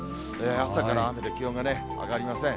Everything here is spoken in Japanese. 朝から雨で、気温がね、上がりません。